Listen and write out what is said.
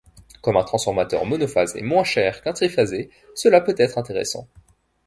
Comme un transformateur monophasé est moins cher qu'un triphasé, cela peut être intéressant.